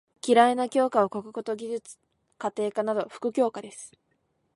嫌いな教科は国語と技術・家庭科など副教科です。